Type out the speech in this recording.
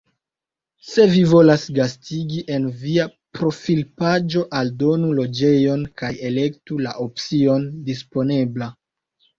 Se vi volas gastigi, en via profilpaĝo aldonu loĝejon kaj elektu la opcion Disponebla.